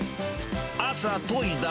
朝といだ